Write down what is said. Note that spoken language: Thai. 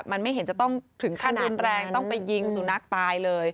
มันไม่เห็นจะต้องถึงขั้นรุนแรงต้องไปยิงสุนัขตายเลย